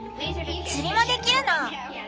釣りもできるの。